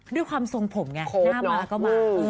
ด้วยความทรงผมไงหน้าม้าก็มา